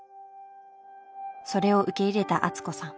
それを受け入れた敦子さん。